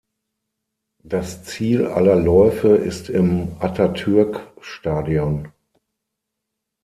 Das Ziel aller Läufe ist im Atatürk-Stadion.